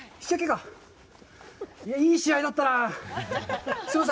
いい試合だったなあ。